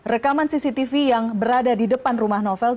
rekaman cctv yang berada di depan rumah novel